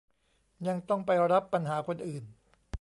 ยังต้องไปรับปัญหาคนอื่น